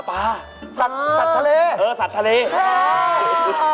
สัตว์ทะเลเหรอสัตว์ทะเลเหรอ